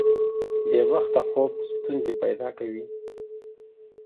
بې وخته خوب ستونزې پیدا کوي.